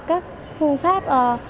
các phương pháp